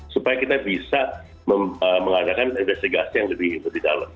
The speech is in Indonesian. supaya kita bisa mengatakan investigasi yang lebih itu di dalam